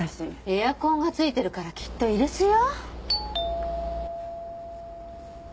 エアコンがついてるからきっと居留守よ。